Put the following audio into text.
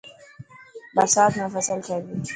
برسات ۾ فصل ٿي تي.